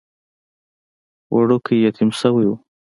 وړوکی يتيم شوی و.